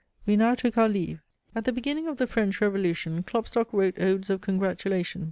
We now took our leave. At the beginning of the French Revolution Klopstock wrote odes of congratulation.